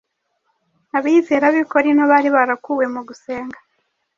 Abizera b’ i Korinto bari barakuwe mu gusenga